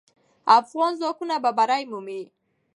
افغان ځواکونه به بری مومي.